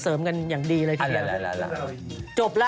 โอลี่คัมรี่ยากที่ใครจะตามทันโอลี่คัมรี่ยากที่ใครจะตามทัน